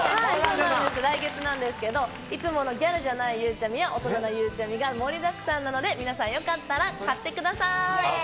いつものギャルじゃない、ゆうちゃみや、大人なゆうちゃみが盛りだくさんなので、皆さん、よかったら買ってください。